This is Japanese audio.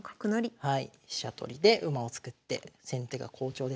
はい。